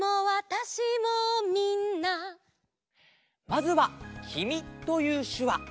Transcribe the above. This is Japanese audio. まずは「きみ」というしゅわ。